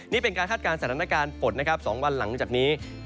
นี่เป็นการคาดการณ์สถานการณ์ฝนนะครับ๒วันหลังจากนี้